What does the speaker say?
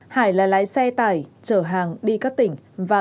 hải là lái xe tải chở hàng đi các tỉnh